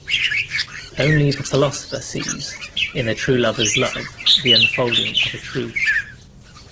Only the philosopher sees in the true lover's love the unfolding of a truth.